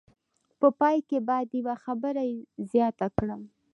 په پای کې باید یوه خبره زیاته کړم.